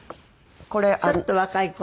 ちょっと若い頃。